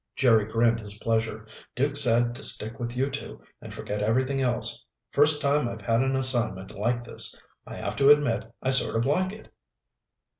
Jerry grinned his pleasure. "Duke said to stick with you two and forget everything else. First time I've had an assignment like this. I have to admit I sort of like it."